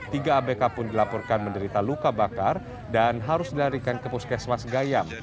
tiga abk pun dilaporkan menderita luka bakar dan harus dilarikan ke puskesmas gayam